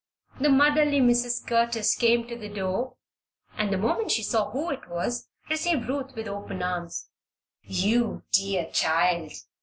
The motherly Mrs. Curtis came to the door and, the moment she saw who it was, received Ruth with open arms. "You dear child!